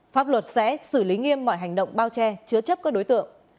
pháp luật sẽ xử lý nghiêm mọi hành động bao che chứa chấp các đối tượng